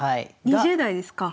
２０代ですか。